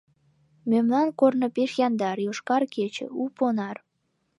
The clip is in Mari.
Мемнан корно пеш яндар, «Йошкар кече» — у понар!